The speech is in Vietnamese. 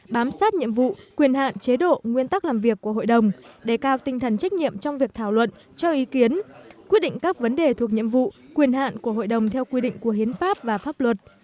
bám sát nhiệm vụ quyền hạn chế độ nguyên tắc làm việc của hội đồng đề cao tinh thần trách nhiệm trong việc thảo luận cho ý kiến quyết định các vấn đề thuộc nhiệm vụ quyền hạn của hội đồng theo quy định của hiến pháp và pháp luật